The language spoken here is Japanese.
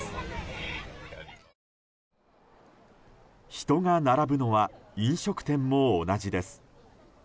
人が並ぶのは飲食店も同じです。